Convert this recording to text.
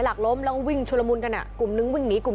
หลักล้มแล้วก็วิ่งชุลมุนกันอ่ะกลุ่มนึงวิ่งหนีกลุ่ม